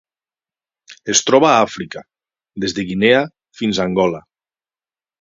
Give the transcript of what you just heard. Es troba a Àfrica: des de Guinea fins a Angola.